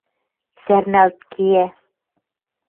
сӓрнӓлт кеӓ